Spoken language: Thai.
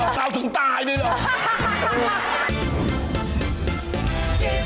เบาถึงตายด้วยหรือ